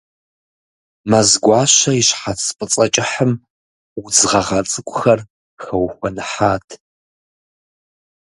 Мэзгуащэ и щхьэц фӏыцӏэ кӏыхьым удз гъэгъа цӏыкӏухэр хэухуэныхьат.